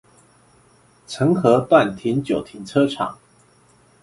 澄合段停九停車場